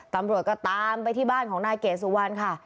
ตำรวจก็ตามไปที่บ้านของนายเกดสุวรรณค่ะ